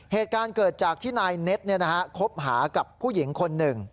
เหตุการณ์เกิดจากที่นายเน็ตคบหากับผู้หญิงคนหนึ่ง